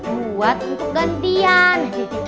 buat untuk gantian